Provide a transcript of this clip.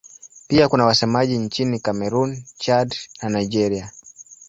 Pia kuna wasemaji nchini Kamerun, Chad na Nigeria.